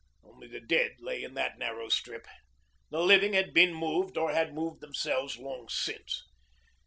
Only the dead lay in that narrow strip; the living had been moved or had moved themselves long since.